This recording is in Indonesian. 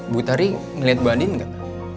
butari ngeliat bu andin gak